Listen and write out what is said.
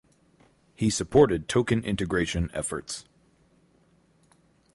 He supported token integration efforts.